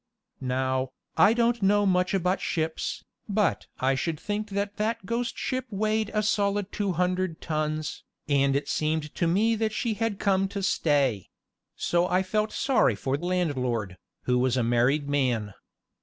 Now, I don't know much about ships, but I should think that that ghost ship weighed a solid two hundred tons, and it seemed to me that she had come to stay; so that I felt sorry for landlord, who was a married man.